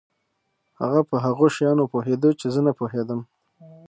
هغه په هغو شیانو پوهېده چې زه نه په پوهېدم.